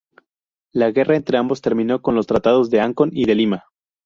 La guerra entre ambos terminó con los tratados de Ancón y de Lima.